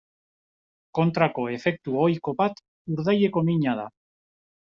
Kontrako efektu ohiko bat urdaileko mina da.